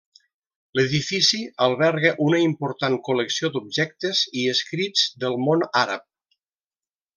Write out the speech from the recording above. L'edifici alberga una important col·lecció d'objectes i escrits del món àrab.